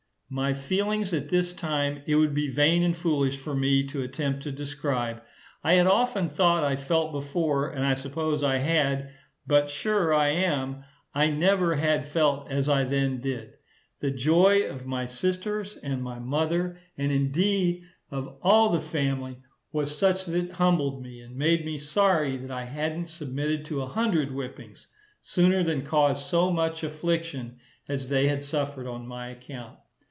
My feelings at this time it would be vain and foolish for me to attempt to describe. I had often thought I felt before, and I suppose I had, but sure I am, I never had felt as I then did. The joy of my sisters and my mother, and, indeed, of all the family, was such that it humbled me, and made me sorry that I hadn't submitted to a hundred whippings, sooner than cause so much affliction as they had suffered on my account.